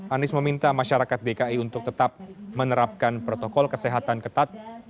anies meminta masyarakat dki untuk tetap menerapkan protokol kesehatan ketat